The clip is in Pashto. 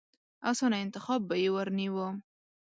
اسانه انتخاب به يې ورنيوه.